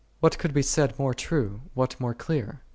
" What could be said more true, what more clear?